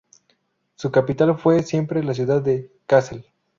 Su capital fue siempre la ciudad de Kassel.